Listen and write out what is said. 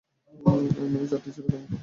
এর মধ্যে চারটি ছিল তামিল প্রকল্প।